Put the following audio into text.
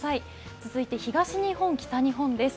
続いて東日本、北日本です。